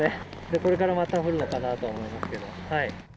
これからまた降るのかなと思いますけど。